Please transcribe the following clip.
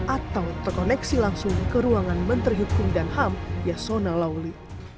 atau terkoneksi langsung ke ruangan menteri hukum dan ham yasona lawli